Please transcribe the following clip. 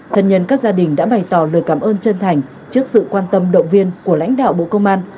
thân nhân các gia đình đã bày tỏ lời cảm ơn chân thành trước sự quan tâm động viên của lãnh đạo bộ công an